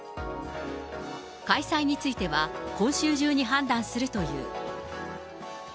開催については、今週中に判断するという。